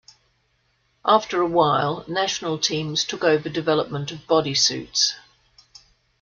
After a while, national teams took over development of "body suits".